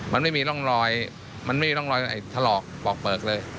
มันไม่มีร่องรอยมันไม่มีร่องรอยถลอกปอกเปลือกเลย